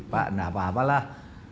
pak apa apa lah